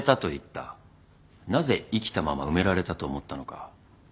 なぜ生きたまま埋められたと思ったのか。